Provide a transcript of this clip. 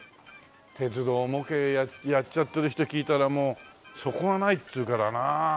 鉄道模型やっちゃってる人聞いたらもう底がないっていうからなあ。